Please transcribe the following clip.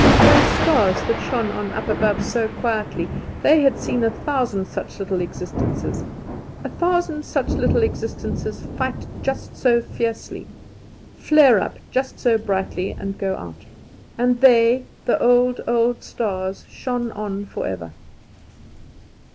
Those stars that shone on up above so quietly, they had seen a thousand such little existences fight just so fiercely, flare up just so brightly and go out; and they, the old, old stars, shone on forever.